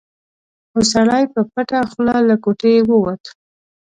خو سړی په پټه خوله له کوټې ووت.